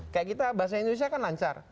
kayak kita bahasa indonesia kan lancar